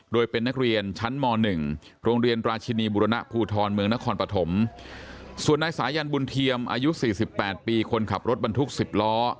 โดยเป็นนักเรียนชั้นม๑โรงเรียนราชินีบุรณภูทรเมืองนครปฐมส่วนนายสายันบุญเทียมอายุ๔๘ปีคนขับรถบรรทุก๑๐ล้อ